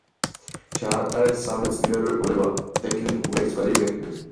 ჩაატარეს სამეცნიერო კვლევა და ტექნიკური ექსპერიმენტები.